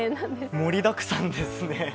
盛りだくさんですね。